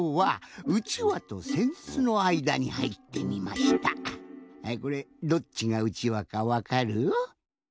はいこれどっちがうちわかわかる？